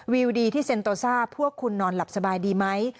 วิวดีที่เซ็นโตซ่าพวกคุณนอนหลับสบายดีไหม